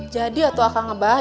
jadi ya tua kang abah